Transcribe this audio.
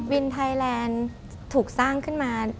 วินไทยแลนด์ถูกสร้างขึ้นมา